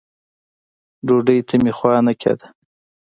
ډوډۍ ته مې خوا نه کېده.